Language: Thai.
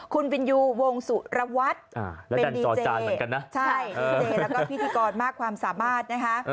คุณวินยูวงสุระวัตเป็นดีเจเรียและพิธีกรมากความสามารถ